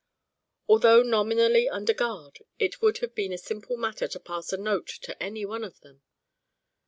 Although nominally under guard, it would have been a simple matter to pass a note to any one of them.